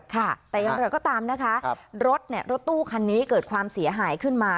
ค่ะแต่อย่างไรก็ตามนะคะรถตู้คันนี้เกิดความเสียหายขึ้นมา